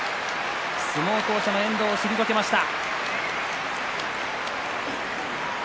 相撲巧者の遠藤を退けました。